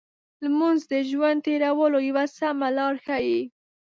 لمونځ د ژوند تېرولو یو سمه لار ښيي.